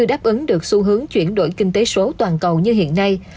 đáp ứng được xu hướng chuyển đổi kinh tế số toàn cầu như hiện nay